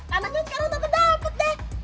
tanahnya sekarang tante dapet deh